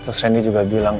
terus reni juga bilang